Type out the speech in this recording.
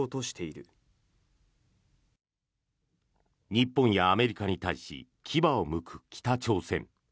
日本やアメリカに対し牙をむく北朝鮮。